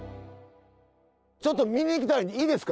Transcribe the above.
ちょっと見に行きたいんでいいですか？